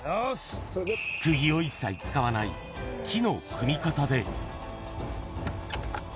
くぎを一切使わない、木の組み方で。